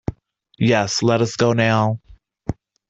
Yes, let us go now.